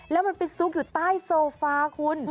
แล้วมันไปซุกอยู่ใต้โซฟาคุณ